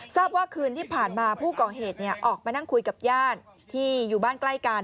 ทราบว่าคืนที่ผ่านมาผู้ก่อเหตุออกมานั่งคุยกับญาติที่อยู่บ้านใกล้กัน